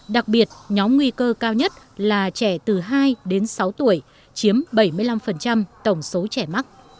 đặc biệt nhóm nguy cơ cao nhất là trẻ từ hai đến sáu tuổi chiếm bảy mươi năm tổng số trẻ mắc